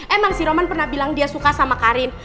emang si roman pernah bilang dia suka sama karin